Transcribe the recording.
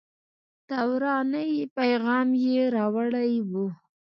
د ورانۍ پیغام یې راوړی و.